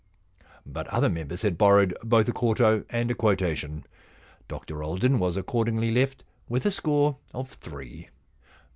But other members had borrowed both a quarto and a quotation. Dr Alden was accordingly left with a score of three.